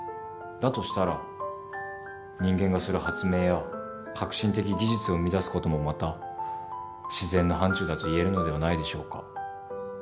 だとしたら人間がする発明や革新的技術を生み出すこともまた自然の範ちゅうだと言えるのではないでしょうか。